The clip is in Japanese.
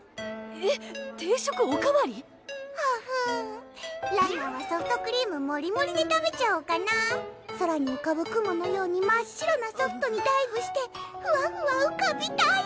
えっ定食おかわり⁉はふうらんらんはソフトクリームモリモリで食べちゃおうかな空にうかぶ雲のように真っ白なソフトにダイブしてふわふわうかびたい！